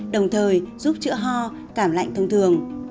đồng thời giúp chữa ho cảm lạnh thông thường